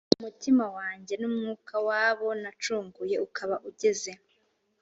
mutima wanjye n umwaka w abo nacunguye ukaba ugeze